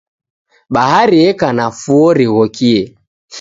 Bahari eka na fuo righokie.